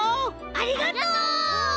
ありがとう！